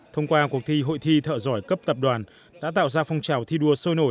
thông qua cuộc thi hội thi thợ giỏi cấp tập đoàn đã tạo ra phong trào thi đua sôi nổi